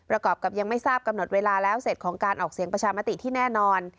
กรอบกับยังไม่ทราบกำหนดเวลาแล้วเสร็จของการออกเสียงประชามติที่แน่นอน